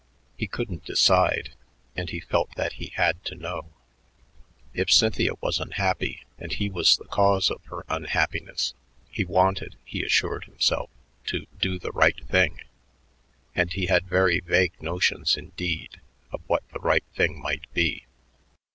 He couldn't decide, and he felt that he had to know. If Cynthia was unhappy and he was the cause of her unhappiness, he wanted, he assured himself, to "do the right thing," and he had very vague notions indeed of what the right thing might be.